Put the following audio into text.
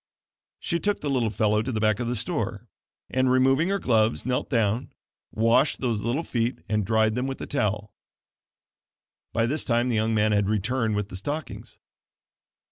She took the little fellow to the back part of the store, and, removing her gloves knelt down, washed those little feet and dried them with the towel. By this time the young man had returned with the stockings.